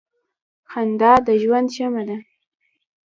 • خندا د ژوند شمع ده.